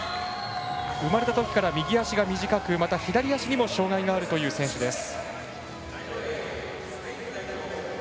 生まれたときから右足が短く左足にも障がいがあるという選手です。